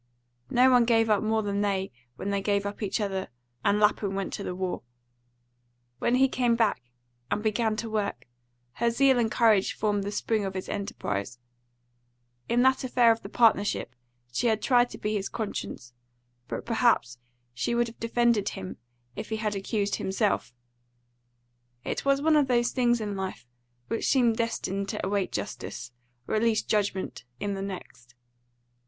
No one gave up more than they when they gave up each other and Lapham went to the war. When he came back and began to work, her zeal and courage formed the spring of his enterprise. In that affair of the partnership she had tried to be his conscience, but perhaps she would have defended him if he had accused himself; it was one of those things in this life which seem destined to await justice, or at least judgment, in the next.